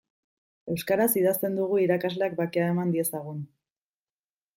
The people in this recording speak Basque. Euskaraz idazten dugu irakasleak bakea eman diezagun.